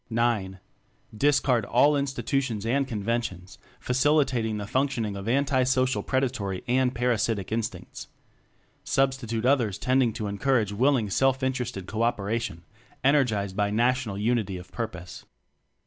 (IX) Discard all institutions and conventions facilitating the function ing of anti social predatory and para sitic instincts; Substitute others tending to en courage willing self interested co operation energized by national unity of purpose.